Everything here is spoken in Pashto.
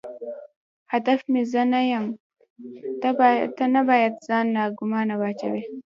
هدف مې زه نه یم، ته نه باید ځان ناګومانه واچوې.